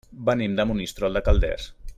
Venim de Monistrol de Calders.